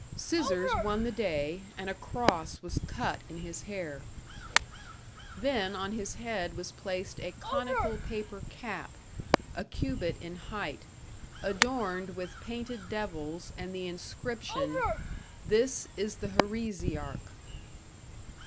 Scissors won the day, and a cross was cut in his hair. Then on his head was placed a conical paper cap, a cubit in height, adorned with painted devils and the inscription, "This is the heresiarch."